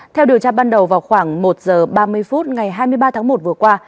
theo điều tra ban đầu vào khoảng một giờ ba mươi phút ngày hai mươi ba tháng một vừa qua